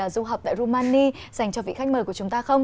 du học tại rumani dành cho vị khách mời của chúng ta không